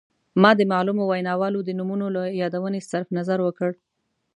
ما د معلومو ویناوالو د نومونو له یادونې صرف نظر وکړ.